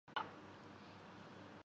تو ایسی سوچ کا پاسدار کون ہو گا؟